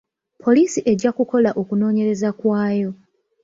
Poliisi ejja kukola okunoonyereza kwayo.